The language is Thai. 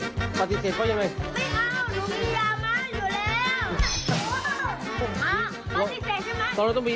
มันไม่มีรัมเศียะเดี๋ยวต้องรวดหยับนะ